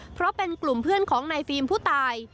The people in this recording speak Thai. เพราะเป็นกลุ่มเพื่อนของนายฟิล์มผู้ตาย